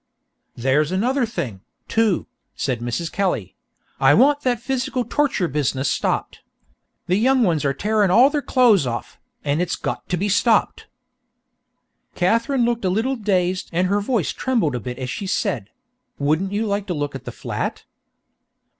"There's another thing, too," said Mrs. Kelly; "I want that physical torture business stopped. The young ones are tearin' all their clo'es off, an' it's got to be stopped!" Katherine looked a little dazed and her voice trembled a bit as she said: "Wouldn't you like to look at the flat?"